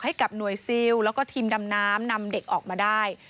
ให้กับหน่วยซิลแล้วก็ทีมดำน้ำนำเด็กออกมาได้